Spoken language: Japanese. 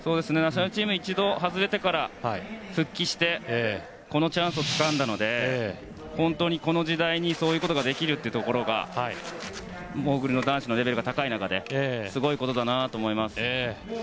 ナショナルチームに一度外れてから復帰してこのチャンスをつかんだので本当にこの時代にそういうことができるというのがモーグルの男子のレベルが高い中ですごいことだなと思います。